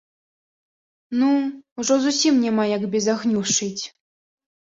Ну, ужо зусім няма як без агню шыць!